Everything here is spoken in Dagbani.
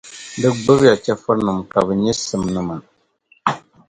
Di gbibi ya chεfurinim’ ka bɛ nyɛ simnima.